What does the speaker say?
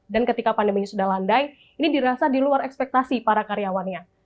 dan ketika pandeminya sudah landai ini dirasa di luar ekspektasi para karyawannya